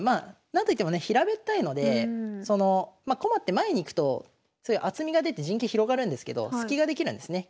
何といってもね平べったいので駒って前に行くと厚みが出て陣形広がるんですけど隙ができるんですね